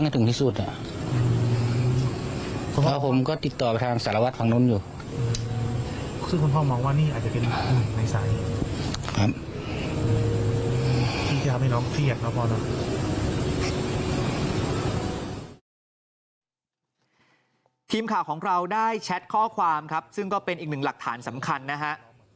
ทีมข่าวของเราได้แชทข้อความครับซึ่งก็เป็นอีกหนึ่งหลักฐานสำคัญนะฮะ